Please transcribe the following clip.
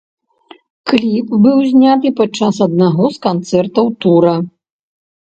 Кліп быў зняты падчас аднаго з канцэртаў тура.